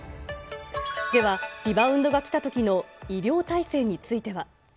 では、リバウンドがきたときの、医療体制については。